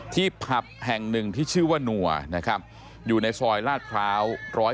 ผับแห่งหนึ่งที่ชื่อว่านัวนะครับอยู่ในซอยลาดพร้าว๑๐๑